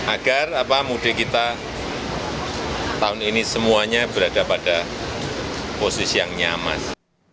agar mudik kita tahun ini semuanya berada pada posisi yang nyaman